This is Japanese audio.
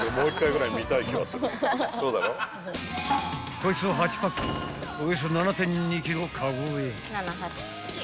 ［こいつを８パックおよそ７．２ｋｇカゴへ］